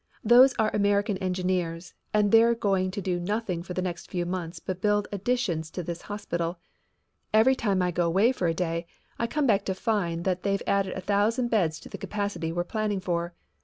"Those are American engineers and they're going to do nothing for the next few months but build additions to this hospital. Every time I go 'way for a day I come back to find that they've added a thousand beds to the capacity we're planning for.